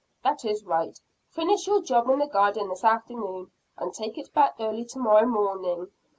"That is right. Finish your job in the garden this afternoon, and take it back early tomorrow morning.